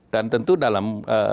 dan tentu dalam